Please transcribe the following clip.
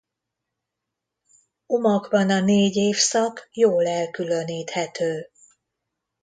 Omakban a négy évszak jól elkülöníthető.